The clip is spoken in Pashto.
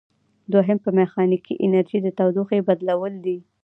دوهم په میخانیکي انرژي د تودوخې بدلول دي.